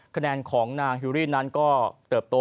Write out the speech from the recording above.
คะแนนของนางฮิวรี่นั้นก็เติบโต